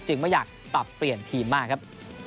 ไม่อยากปรับเปลี่ยนทีมมากครับ